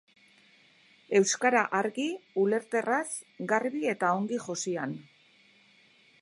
Euskara argi, ulerterraz, garbi eta ongi josian.